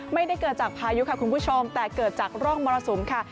ไม่ได้เกิดจากพายุค่ะคุณผู้ชมแต่เกิดจากร่องมรสุมค่ะ